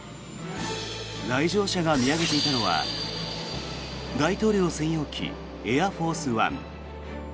来場者が見上げていたのは大統領専用機エアフォース・ワン。